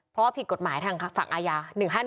เพราะว่าผิดกฎหมายทางฝั่งอาญา๑๕๑